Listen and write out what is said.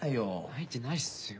泣いてないっすよ。